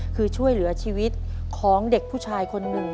คือช่วยเหลือชีวิตของเด็กผู้ชายคนหนึ่ง